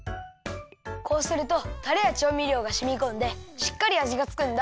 こうするとタレやちょうみりょうがしみこんでしっかりあじがつくんだ。